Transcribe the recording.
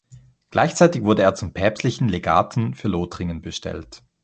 Gleichzeitig wurde er zum päpstlichen Legaten für Lothringen bestellt.